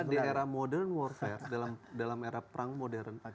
karena di era modern warfare dalam era perang modern